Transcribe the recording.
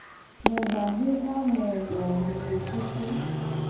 Mu gba xixa mu lo o mu de kuku.